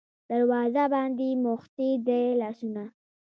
دروازو باندې موښتي دی لاسونه